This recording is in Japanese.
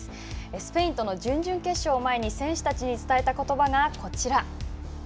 スペインとの準々決勝を前に選手たちに伝えた言葉がこちら。